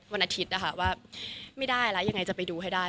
ว่าไม่ได้ละยังไงจะไปดูให้ได้